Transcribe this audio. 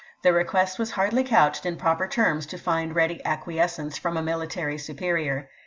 The request was hardly couched in proper terms to fi.nd ready acquiescence from a military superior.